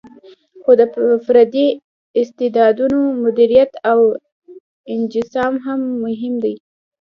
خو د فردي استعدادونو مدیریت او انسجام هم مهم دی.